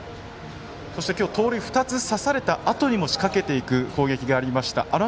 そして、今日盗塁２つ刺されたあとも仕掛けていく攻撃がありました。